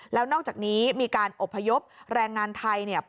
แล้วนอกจากนี้มีการอบพยพแรงงานไทยเนี่ย